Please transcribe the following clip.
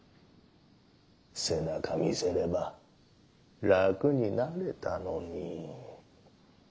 背中見せれば楽になれたのにッ。